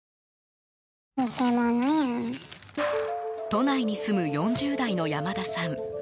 都内に住む４０代の山田さん。